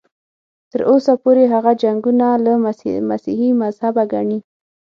تر اوسه پورې هغه جنګونه له مسیحي مذهبه ګڼي.